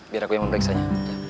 biar aku yang memeriksanya